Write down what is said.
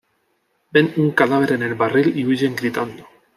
Ven un cadáver en el barril y huyen gritando.